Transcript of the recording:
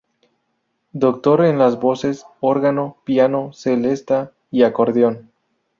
Doctor en las voces, órgano, piano, celesta y acordeón.